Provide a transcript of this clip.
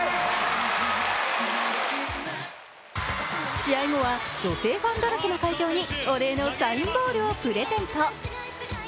試合後は女性ファンだらけの会場にお礼のサインボールをプレゼント。